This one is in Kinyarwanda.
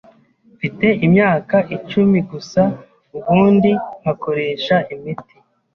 mfite imyaka icumi gusa, ubundi nkakoresha imiti